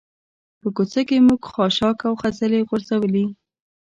په کوڅه کې موږ خاشاک او خځلې غورځولي.